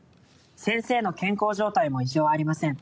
「先生の健康状態も異常ありません」